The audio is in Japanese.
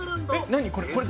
何これ。